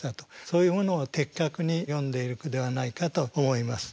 そういうものを的確に詠んでいる句ではないかと思います。